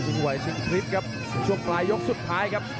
ไหวชิงคลิปครับช่วงปลายยกสุดท้ายครับ